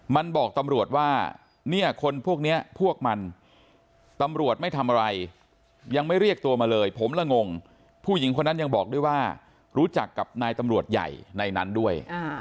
มันบอกตำรวจว่าเนี่ยคนพวกนี้พวกมันตำรวจไม่ทำอะไรยังไม่เรียกตัวมาเลยผมละงงผู้หญิงคนนั้นยังบอกด้วยว่ารู้จักกับนายตำรวจใหญ่ในนั้นด้วย